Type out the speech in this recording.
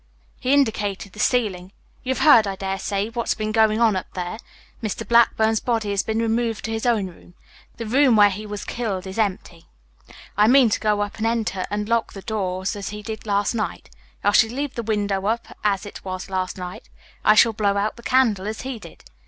He indicated the ceiling. "You've heard, I daresay, what's been going on up there. Mr. Blackburn's body has been removed to his own room. The room where he was killed is empty. I mean to go up and enter and lock the doors as he did last night. I shall leave the window up as it was last night. I shall blow out the candle as he did."